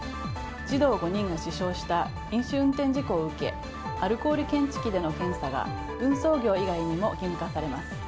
児童５人が死傷した飲酒運転事故を受けアルコール検知器での検査が運送業以外にも義務化されます。